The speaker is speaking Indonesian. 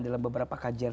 dalam beberapa kajiannya